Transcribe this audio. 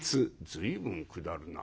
「随分下るな」。